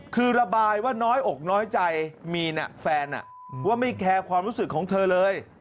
คือระบายว่าน้อยอกน้อยใจมีนแฟนว่าไม่แคร์ความรู้สึกของเธอเลย